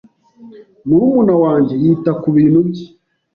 Murumuna wanjye yita kubintu bye.